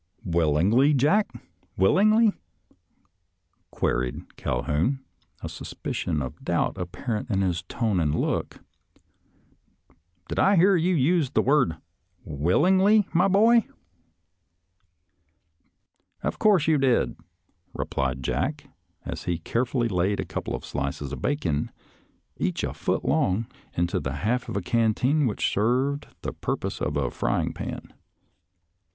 " Willingly, Jack — willingly? " queried Cal houn, a suspicion of doubt apparent in tone and look. " Did I hear you use the word ' willingly,' my boy? "" Of course you did," replied Jack, as he care fully laid a couple of slices of bacon, each a foot long, into the half of a canteen which served the purpose of a frying pan.